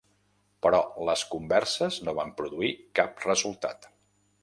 Però les converses no van produir cap resultat.